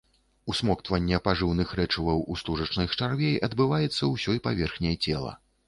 Усмоктванне пажыўных рэчываў у стужачных чарвей адбываецца ўсёй паверхняй цела.